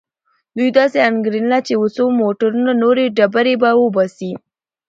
دوی داسې انګېرله چې څو موټره نورې ډبرې به وباسي.